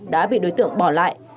đã bị đối tượng bỏ lại